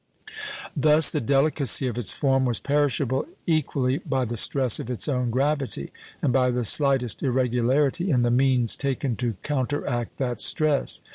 Thus the delicacy of its form was perishable equally by the stress of its own gravity, and by the slightest irregularity in the means taken to counteract that stress.